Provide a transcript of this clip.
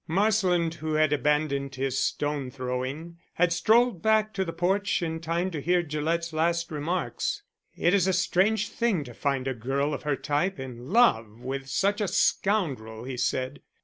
Marsland, who had abandoned his stone throwing, had strolled back to the porch in time to hear Gillett's last remarks. "It is a strange thing to find a girl of her type in love with such a scoundrel," he said.